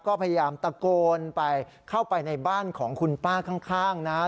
ก็พยายามตะโกนไปเข้าไปในบ้านของคุณป้าข้างนะฮะ